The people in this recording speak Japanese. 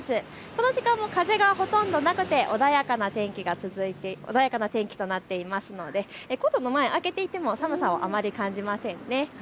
この時間も風がほとんどなくて穏やかな天気となっていますのでコートの前、開けていても寒さをあまり感じませんね。